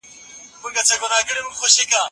استاد په هره خبره کي له شاګرد سره مرسته کوي.